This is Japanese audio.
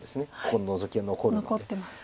ここにノゾキが残るので。